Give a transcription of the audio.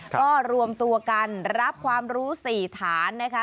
ก็รวมตัวกันรับความรู้๔ฐานนะคะ